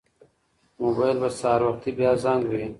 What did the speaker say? موبایل به سهار وختي بیا زنګ وهي.